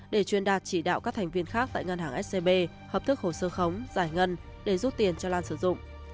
để truyền đạt chỉ đạo các thành viên khác tại ngân hàng scb hợp thức hồ sơ khống giải ngân để rút tiền cho lan sử dụng